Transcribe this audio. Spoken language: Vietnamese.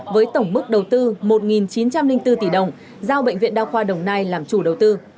với tổng mức đầu tư một chín trăm linh bốn tỷ đồng giao bệnh viện đa khoa đồng nai làm chủ đầu tư